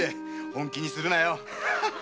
本気にするなよ。